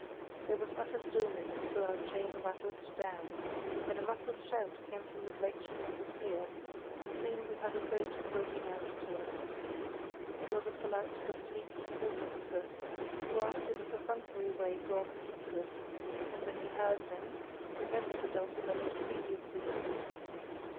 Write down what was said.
There was utter stillness till our chain rattled down, when a muffled shout came from the direction of the pier, and soon we heard a boat groping out to us. It was a polite but sleepy port officer, who asked in a perfunctory way for our particulars, and when he heard them, remembered the Dulcibella's previous visit.